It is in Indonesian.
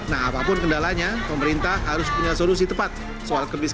nah apapun kendalanya pemerintah harus punya solusi tepat soal kemiskinan di perkotaan macam ini